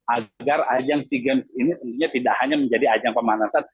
agar ajang sea games ini tentunya tidak hanya menjadi ajang pemanasan